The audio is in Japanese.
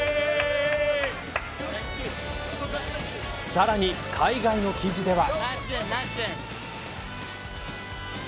さらに、海外の記事では。